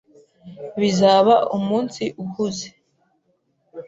Bizaba umunsi uhuze.